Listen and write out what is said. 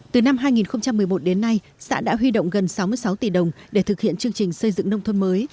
từ năm hai nghìn một mươi một đến nay xã đã huy động gần sáu mươi sáu tỷ đồng để thực hiện chương trình xây dựng nông thôn mới